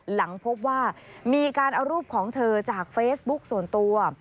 หลังพบว่ามีการเอารูปของเธอจากเฟซบุ๊กส่วนตัว